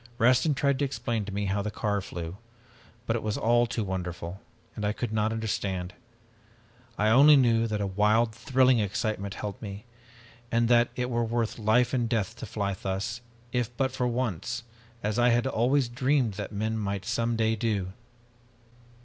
Rastin tried to explain to me how the car flew, but it was all too wonderful, and I could not understand. I only knew that a wild thrilling excitement held me, and that it were worth life and death to fly thus, if but for once, as I had always dreamed that men might some day do.